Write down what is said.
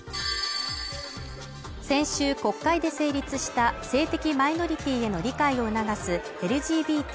先週、国会で成立した性的マイノリティへの理解を促すＬＧＢＴ